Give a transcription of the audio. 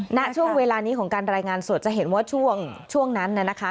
ณช่วงเวลานี้ของการรายงานสดจะเห็นว่าช่วงนั้นน่ะนะคะ